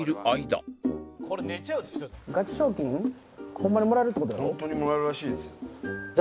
ホントにもらえるらしいですよ。